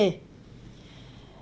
trong thời gian này